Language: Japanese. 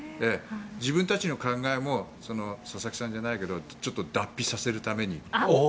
自分たちの考えも佐々木さんじゃないけどちょっと脱皮させるために。